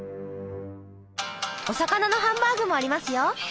お魚のハンバーグもありますよ！